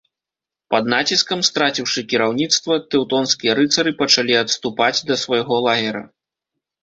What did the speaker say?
Пад націскам, страціўшы кіраўніцтва, тэўтонскія рыцары пачалі адступаць да свайго лагера.